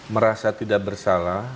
merasa tidak bersalah